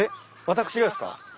私がですか？